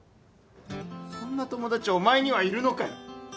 そんな友達お前にはいるのかよ。